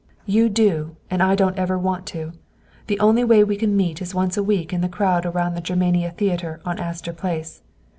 "You do! And I don't ever want to! The only way we can meet is once a week in the crowd around the Germania Theater on Astor Place.